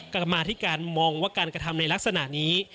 กรรมาธิการมองว่าการกระทำในลักษณะนี้